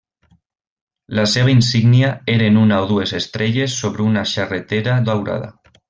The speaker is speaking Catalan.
La seva insígnia eren una o dues estrelles sobre una xarretera daurada.